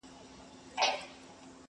اسمان چي مځکي ته راځي قیامت به سینه.!.!